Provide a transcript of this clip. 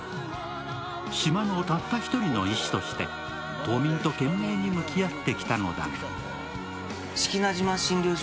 島の、たった一人の医師として島民と懸命に向き合ってきたのだが